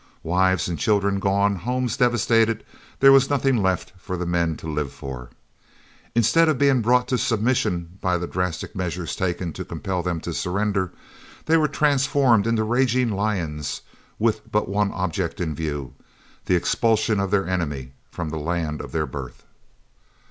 Wives and children gone, homes devastated, there was nothing left for the men to live for. Instead of being brought to submission by the drastic measures taken to compel them to surrender, they were transformed into raging lions, with but one object in view, the expulsion of their enemy from the land of their birth.